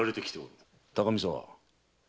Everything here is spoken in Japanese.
高見沢。